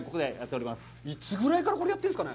いつぐらいからこれはやっているんですかね。